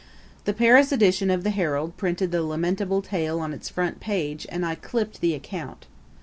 The Paris edition of the Herald printed the lamentable tale on its front page and I clipped the account.